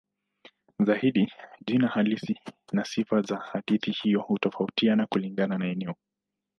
Zaidi jina halisi na sifa za hadithi hiyo hutofautiana kulingana na eneo.